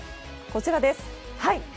こちらです。